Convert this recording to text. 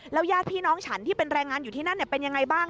ญาติพี่น้องฉันที่เป็นแรงงานอยู่ที่นั่นเป็นยังไงบ้าง